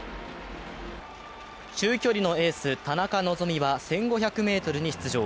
中距離のエース・田中希実は１５００ｍに出場。